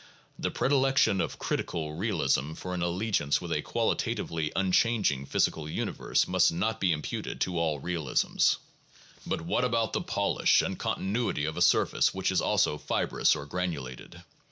The predi lection of ' critical ' realism for an alliance with a qualitatively unchanging physical universe must not be imputed to all realisms. But what about the polish and continuity of a surface which is also fibrous or granulated?